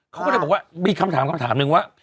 เขาก็จะบอกว่ามีคำถามหนึ่งว่า